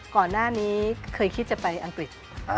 ก่อนหน้านี้เคยคิดจะไปอังกฤษ